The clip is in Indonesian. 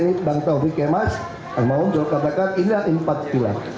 ini adalah empat pula